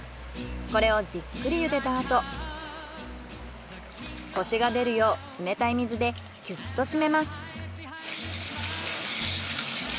これをじっくりゆでたあとコシが出るよう冷たい水でキュッと締めます。